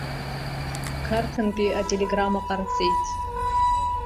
Қарҭынтәи ателеграмма ҟарҵеит.